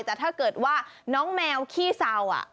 แต่ถ้าเกิดว่าน้องแมวขี้เศร้า